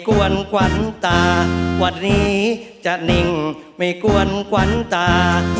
วันนี้จะนิ่งไม่กวนกวนตา